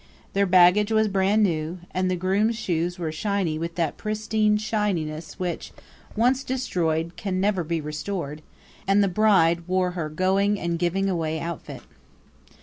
Their baggage was brand new, and the groom's shoes were shiny with that pristine shininess which, once destroyed, can never be restored; and the bride wore her going and giving away outfit.